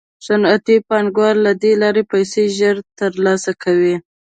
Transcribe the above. صنعتي پانګوال له دې لارې پیسې ژر ترلاسه کوي